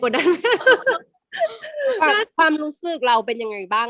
ความรู้สึกเราเป็นยังไงบ้าง